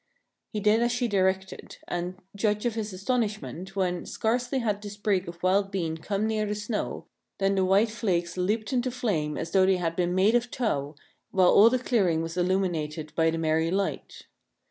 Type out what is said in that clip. He did as she directed ; and, judge of his astonishment, when, scarcely had the sprig of wild bean come near the snow, than the white flakes leaped into flame as though they had been made of tow, while all the clearing was illumined by the merry light.